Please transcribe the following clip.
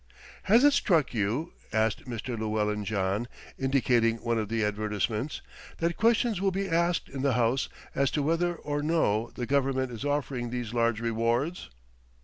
"Has it struck you," asked Mr. Llewellyn John, indicating one of the advertisements, "that questions will be asked in the House as to whether or no the Government is offering these large rewards?"